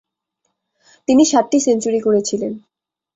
তিনি সাতটি সেঞ্চুরি করেছিলেন।